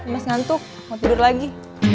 pas ngantuk mau tidur lagi